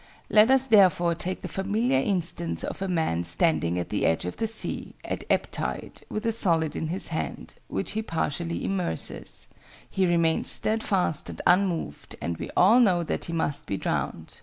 Let us therefore take the familiar instance of a man standing at the edge of the sea, at ebb tide, with a solid in his hand, which he partially immerses: he remains steadfast and unmoved, and we all know that he must be drowned.